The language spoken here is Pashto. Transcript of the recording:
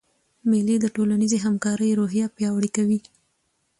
مېلې د ټولنیزي همکارۍ روحیه پیاوړې کوي.